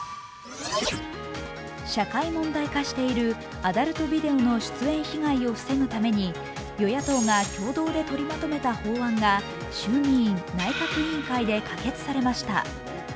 社会問題化しているアダルトビデオの出演被害を防ぐために与野党が共同で取りまとめた法案が衆議院・内閣委員会で可決されました。